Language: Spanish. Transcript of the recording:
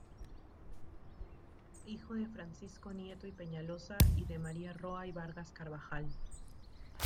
Hijo de Francisco Nieto y Peñalosa, y de María Roa y Vargas Carbajal.